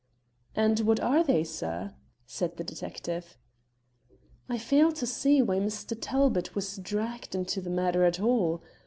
"And what are they, sir?" said the detective. "I fail to see why Mr. Talbot was dragged into the matter at all.